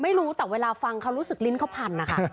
ไม่รู้แต่เวลาฟังเขารู้สึกลิ้นเขาพันนะคะ